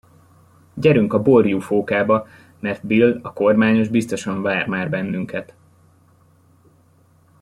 Gyerünk a Borjúfókába, mert Bill, a kormányos biztosan vár már bennünket!